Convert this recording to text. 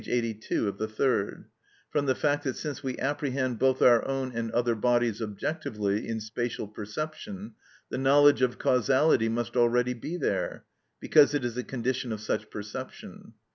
82 of the third), from the fact that since we apprehend both our own and other bodies objectively in spatial perception, the knowledge of causality must already be there, because it is a condition of such perception.